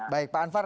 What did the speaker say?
baik pak anwar